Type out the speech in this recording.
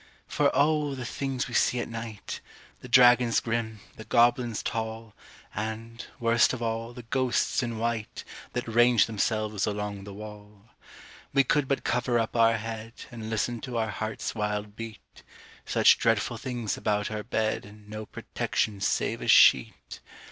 For O! the things we see at night The dragons grim, the goblins tall, And, worst of all, the ghosts in white That range themselves along the wall! We could but cover up our head, And listen to our heart's wild beat Such dreadful things about our bed, And no protection save a sheet!